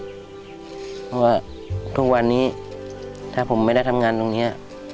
เพราะว่าทุกวันนี้ถ้าผมไม่ได้ทำงานตรงนี้